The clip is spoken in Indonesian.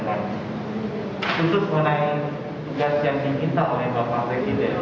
khusus mengenai tugas yang diminta oleh bapak presiden